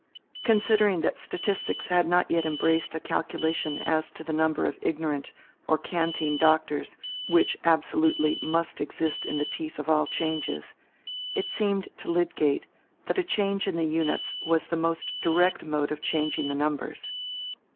Considering that statistics had not yet embraced a calculation as to the number of ignorant or canting doctors which absolutely must exist in the teeth of all changes, it seemed to Lydgate that a change in the units was the most direct mode of changing the numbers.